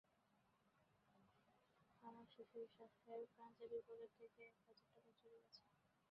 আমার শ্বশুরসাহেবের পাঞ্জাবির পকেট থেকে এক হাজার টাকা চুরি গেছে।